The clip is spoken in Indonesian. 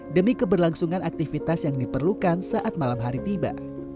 demi keberlangsungan aktivitas yang diperlukan saat malam hari tiba